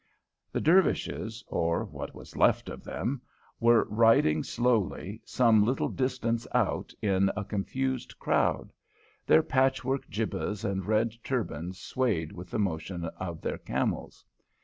The Dervishes or what was left of them were riding slowly some little distance out in a confused crowd, their patchwork jibbehs and red turbans swaying with the motion of their camels.